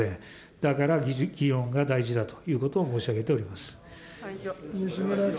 だから議論が大事だということを申し上げております。